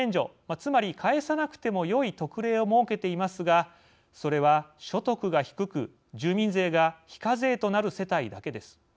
つまり返さなくても良い特例を設けていますがそれは所得が低く住民税が非課税となる世帯だけです。